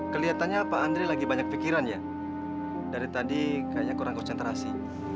kelihatannya pak andri lagi banyak pikiran ya dari tadi kayaknya kurang konsentrasi